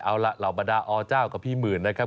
เอาล่ะเหล่าบรรดาอเจ้ากับพี่หมื่นนะครับ